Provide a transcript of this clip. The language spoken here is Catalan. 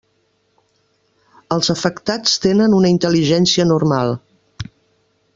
Els afectats tenen una intel·ligència normal.